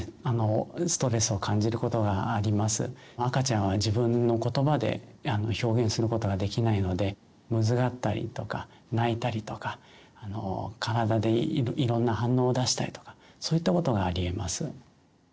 赤ちゃんは自分の言葉で表現することができないのでむずかったりとか泣いたりとか体でいろんな反応を出したりとかそういったことがありえます。